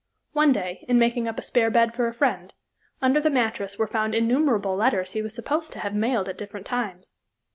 One day, in making up a spare bed for a friend, under the mattress were found innumerable letters he was supposed to have mailed at different times.